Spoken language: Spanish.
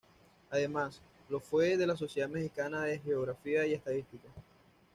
Además, lo fue de la Sociedad Mexicana de Geografía y Estadística.